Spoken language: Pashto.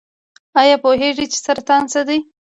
ایا پوهیږئ چې سرطان څه دی؟